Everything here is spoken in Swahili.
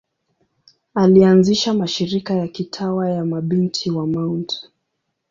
Alianzisha mashirika ya kitawa ya Mabinti wa Mt.